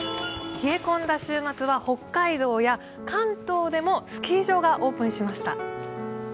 冷え込んだ週末は北海道や関東でもスキー場がオープンしました。